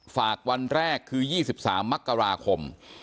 ฝากวันแรกคือ๒๓มกราคม